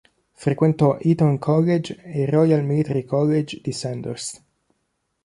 Frequentò Eton College e il Royal Military College di Sandhurst.